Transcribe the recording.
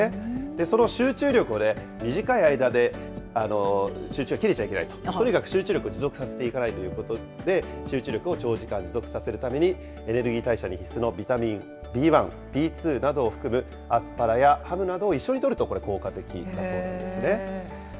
その集中力を短い間で、集中が切れちゃいけないと、とにかく集中力を持続させていかなければいけないということで、集中力を長時間持続させるためにエネルギー代謝に必須のビタミンＢ１やＢ２などを含む、アスパラガスやハムなどを一緒にとると効果的なんだそうですね。